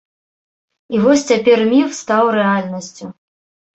І вось цяпер міф стаў рэальнасцю.